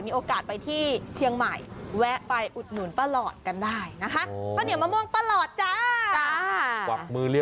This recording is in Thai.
มีโอกาสไปที่เชียงใหม่แวะไปอุดหนุนป้าหลอดกันได้นะคะ